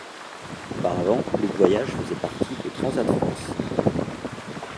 Auparavant, Look Voyages faisait partie de Transat France.